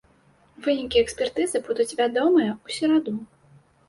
Вынікі экспертызы будуць вядомыя ў сераду.